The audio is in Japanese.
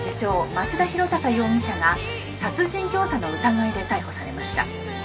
町田博隆容疑者が殺人教唆の疑いで逮捕されました。